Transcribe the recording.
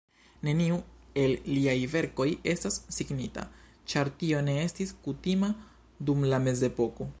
Neniu el liaj verkoj estas signita, ĉar tio ne estis kutima dum la mezepoko.